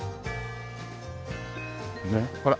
ほら。